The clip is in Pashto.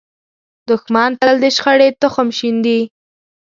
دښمن تل د شخړې تخم شیندي